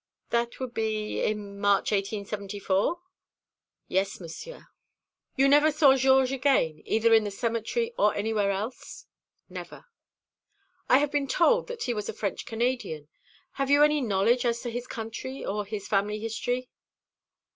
"That would be in March 1874?" "Yes, Monsieur." "You never saw Georges again, either in the cemetery or anywhere else?" "Never." "I have been told that he was a French Canadian. Have you any knowledge as to his country or his family history?"